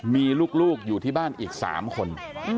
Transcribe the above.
มีลูกอยู่ที่บ้านอีก๓คน